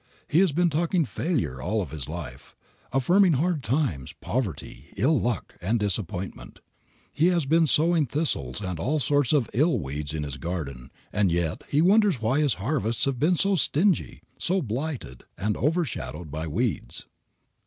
He has been talking failure all his life, affirming hard times, poverty, ill luck, and disappointment. He has been sowing thistles and all sorts of ill weeds in his garden and yet he wonders why his harvests have been so stingy, so blighted and over shadowed by weeds.